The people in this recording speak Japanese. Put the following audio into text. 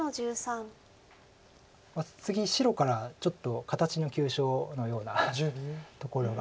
次白からちょっと形の急所のようなところがありまして。